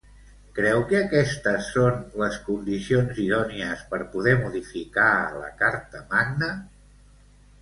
Creu que aquestes són les condicions idònies per poder modificar la carta magna?